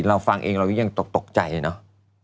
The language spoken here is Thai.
เราฟังเองเรายังตกใจเลยเนอะ